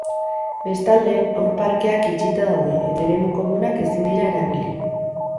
Bestalde, haur parkeak itxita daude eta eremu komunak ezin dira erabili.